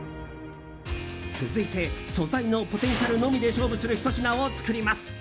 続いて、素材のポテンシャルのみで勝負するひと品を作ります。